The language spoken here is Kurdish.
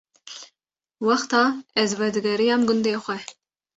Wexta ez vedigeriyam gundê xwe